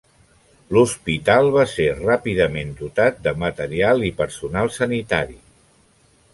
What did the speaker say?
L'hospital va ser ràpidament dotat de material i personal sanitari.